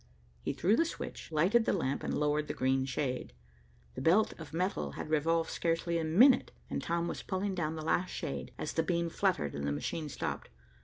He threw the switch, lighted the lamp, and lowered the green shade. The belt of metal had revolved scarcely a minute, and Tom was pulling down the last shade, as the beam fluttered and the machine stopped.